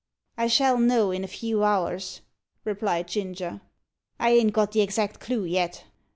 "I shall know in a few hours," replied Ginger. "I ain't got the exact clue yet.